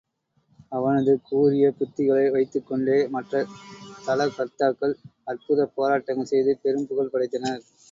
அவனது கூரிய யுத்திகளை வைத்துக் கொண்டே மற்றத் தளகர்த்தாக்கள் அற்புதப் போராட்டங்கள் செய்து பெரும் புகழ் படைத்தனர்.